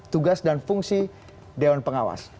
tugas dan fungsi dewan pengawas